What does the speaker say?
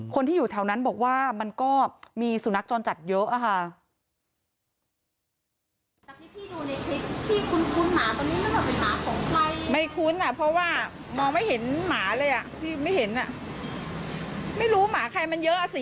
คนที่อยู่แถวนั้นบอกว่ามันก็มีสุนัขจรจัดเยอะค่ะ